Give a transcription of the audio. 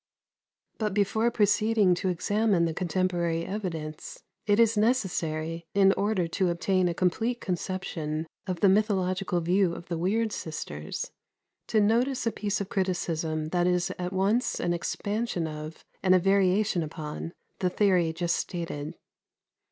91. But before proceeding to examine the contemporary evidence, it is necessary, in order to obtain a complete conception of the mythological view of the weird sisters, to notice a piece of criticism that is at once an expansion of, and a variation upon, the theory just stated.